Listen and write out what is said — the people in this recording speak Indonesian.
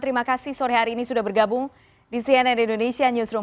terima kasih sore hari ini sudah bergabung di cnn indonesia newsroom